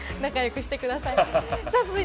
仲良くしてください。